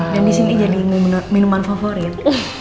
dan di sini jadi minuman favorit